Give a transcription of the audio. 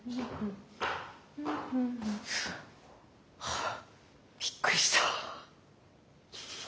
あっびっくりした。